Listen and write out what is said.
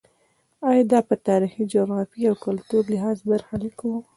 ایا دا په تاریخي، جغرافیایي او کلتوري لحاظ برخلیک و.